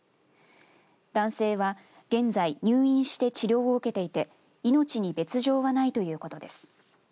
男性は現在入院して治療を受けていて命に別状はないということです。